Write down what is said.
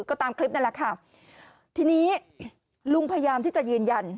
ก็ตามคลิปนั่นแหละค่ะทีนี้ลุงพยายามที่จะยืนยัน